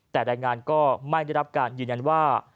แต่รายงานก็ไม่ได้รับการยืนยันว่า